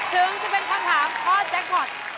ถึงจะเป็นคำถามข้อแจ็คพอร์ต